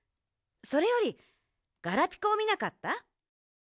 それよりガラピコをみなかった？